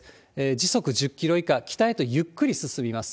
時速１０キロ以下、北へとゆっくり進みます。